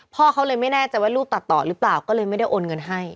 พ่อเขาเลยไม่แน่ใจว่าลูกตัดต่อหรือเปล่าก็เลยไม่ได้โอนเงินให้